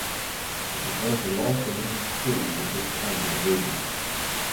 It is one of the last remaining schools of this kind in the region.